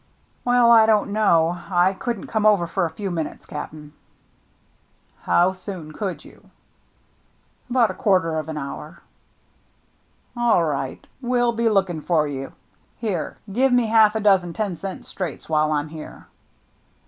"Well, I don't know. I couldn't come over for a few minutes, Cap'n," " How soon could you ?"" About a quarter of an hour." " All right, we'll be looking for you. Here, give me half a dozen ten cent straights while I'm here."